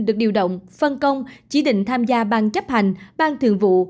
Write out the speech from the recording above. được điều động phân công chỉ định tham gia bang chấp hành bang thường vụ